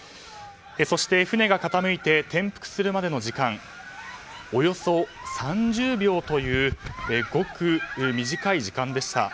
そして船が傾いて転覆するまでの時間およそ３０秒というごく短い時間でした。